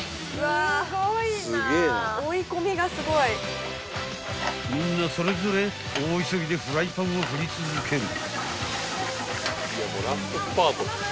［みんなそれぞれ大急ぎでフライパンを振り続ける］